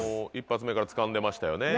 １発目からつかんでましたよね。